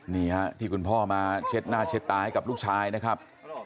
นี่ฮะที่คุณพ่อมาเช็ดหน้าเช็ดตาให้กับลูกชายนะครับ